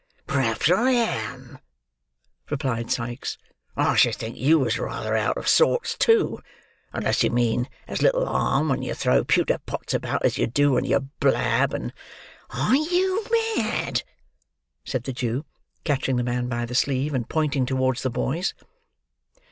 "Perhaps I am," replied Sikes; "I should think you was rather out of sorts too, unless you mean as little harm when you throw pewter pots about, as you do when you blab and—" "Are you mad?" said the Jew, catching the man by the sleeve, and pointing towards the boys.